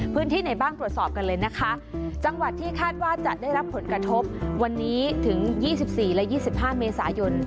พื้นที่ไหนบ้างตรวจสอบกันเลยนะคะจังหวัดที่คาดว่าจะได้รับผลกระทบวันนี้ถึง๒๔และ๒๕เมษายน